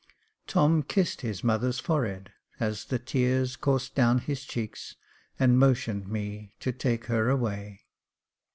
Tom kissed his mother's forehead as the tears coursed down his cheeks, and motioned me to take her away.